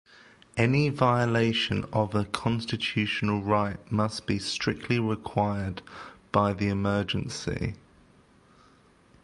Any violation of a constitutional right must be strictly required by the emergency.